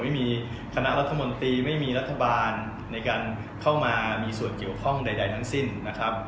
ไม่มีคณะรัฐมนตรีไม่มีรัฐบาลในการเข้ามามีส่วนเกี่ยวข้องใดทั้งสิ้นนะครับ